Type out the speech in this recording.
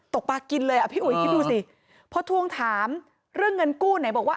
ปลากินเลยอ่ะพี่อุ๋ยคิดดูสิพอทวงถามเรื่องเงินกู้ไหนบอกว่า